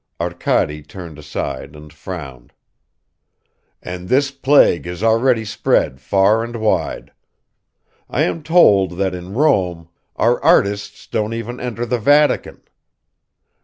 (Arkady turned aside and frowned.) And this plague has already spread far and wide. I am told that in Rome our artists don't even enter the Vatican.